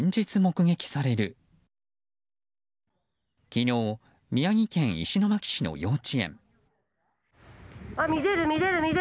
昨日、宮城県石巻市の幼稚園。